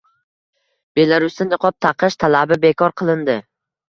Belarusda niqob taqish talabi bekor qilindi